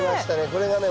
これがね